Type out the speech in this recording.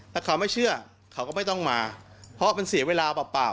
ถ้าเขาไม่เชื่อเขาก็ไม่ต้องมาเพราะมันเสียเวลาเปล่า